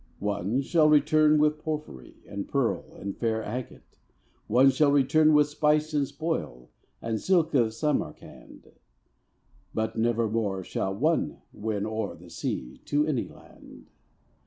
One shall return with porphyry And pearl and fair agàte. One shall return with spice and spoil And silk of Samarcand. But nevermore shall one win o'er The sea, to any land.